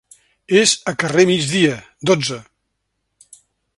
Es a carrer Migdia, dotze.